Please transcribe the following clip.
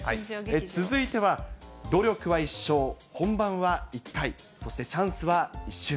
続いては、努力は一生、本番は一回、そしてチャンスは一瞬。